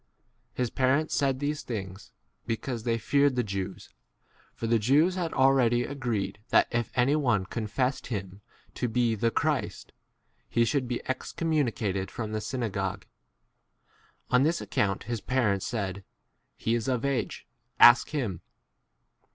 His parents said these things because they feared the Jews, for the Jews had already agreed that if anyone confessed him [to be the] Christ, he should be excommunicated from the syna 23 gogue. On this account his parents 24 said, He is of age : ask him.